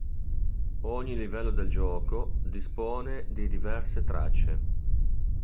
Ogni livello del gioco dispone di diverse tracce.